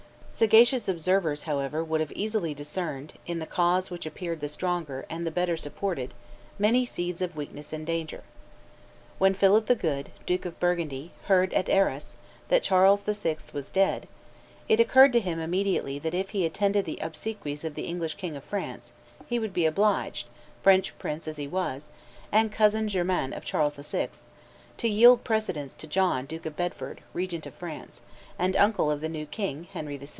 Sagacious observers, however, would have easily discerned in the cause which appeared the stronger and the better supported many seeds of weakness and danger. When Philip the Good, Duke of Burgundy, heard at Arras, that Charles VI. was dead, it occurred to him immediately that if he attended the obsequies of the English King of France he would be obliged, French prince as he was, and cousin german of Charles VI., to yield precedence to John, Duke of Bedford, regent of France, and uncle of the new king, Henry VI.